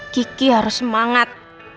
kiki harus semangat